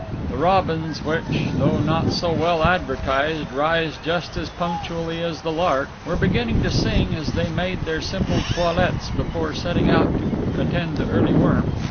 The robins which, though not so well advertised, rise just as punctually as the lark, were beginning to sing as they made their simple toilets before setting out to attend to the early worm.